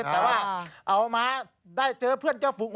แต่ว่าเอามาได้เจอเพื่อนเจ้าฝุง